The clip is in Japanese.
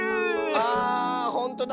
あほんとだ！